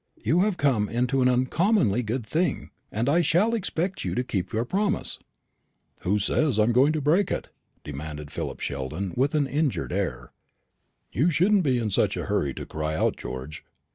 You have come into an uncommonly good thing, and I shall expect you to keep your promise." "Who says I am going to break it?" demanded Philip Sheldon with an injured air. "You shouldn't be in such a hurry to cry out, George.